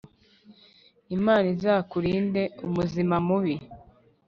Imana izakurinde umuzima mubi